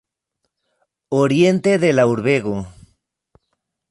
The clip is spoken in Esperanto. Oriente de la urbego.